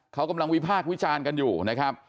เขากำลังวิพากษ์วิจารณ์กันอยู่นะครับ